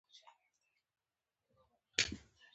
باسواده نجونې د کور صفايي ته پام کوي.